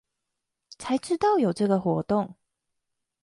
才知道有這個活動